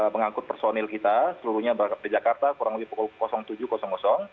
mengangkut personil kita seluruhnya berangkat ke jakarta kurang lebih pukul tujuh